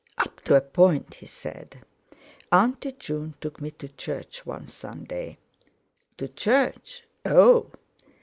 "Up to a point," he said: "Auntie June took me to church one Sunday." "To church? Oh!"